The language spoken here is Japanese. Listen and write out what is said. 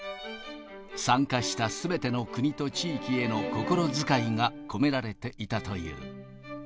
参加したすべての国と地域への心遣いが込められていたという。